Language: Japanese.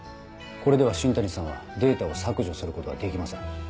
これでは新谷さんはデータを削除することはできません。